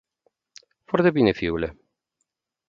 Foarte bine, fiule.